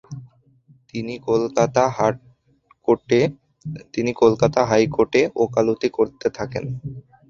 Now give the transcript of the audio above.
তিনি কলকাতা হাইকোর্টে ওকালতি করতে থাকেন ।